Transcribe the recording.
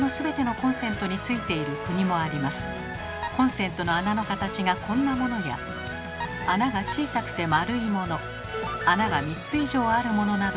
コンセントの穴の形がこんなものや穴が小さくて丸いもの穴が３つ以上あるものなど。